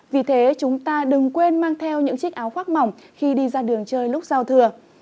vì thế chúng ta đừng quên mang theo những chiếc áo khoác mỏng khi đi ra đường chơi lúc giao thừa